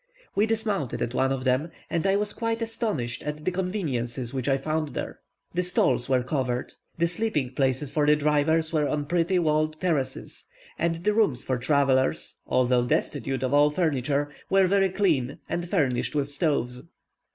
We dismounted at one of them, and I was quite astonished at the conveniences which I found there. The stalls were covered; the sleeping places for the drivers were on pretty walled terraces; and the rooms for travellers, although destitute of all furniture, were very clean, and furnished with stoves.